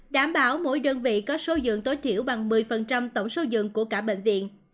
đảm bảo mỗi đơn vị có số dưỡng tối thiểu bằng một mươi tổng số dưỡng của cả bệnh viện